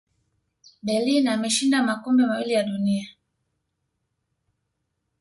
berlin ameshinda makombe mawili ya dunia